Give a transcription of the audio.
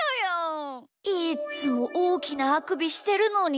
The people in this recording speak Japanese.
いつもおおきなあくびしてるのに？